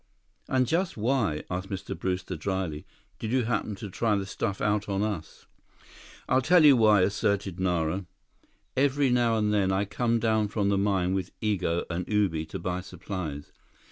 "And just why," asked Mr. Brewster dryly, "did you happen to try the stuff out on us?" "I'll tell you why," asserted Nara. "Every now and then, I come down from the mine with Igo and Ubi to buy supplies.